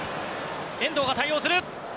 遠藤が対応する。